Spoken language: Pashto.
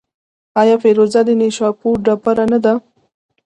آیا فیروزه د نیشاپور ډبره نه ده؟